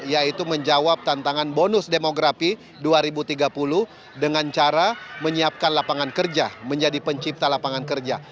yaitu menjawab tantangan bonus demografi dua ribu tiga puluh dengan cara menyiapkan lapangan kerja menjadi pencipta lapangan kerja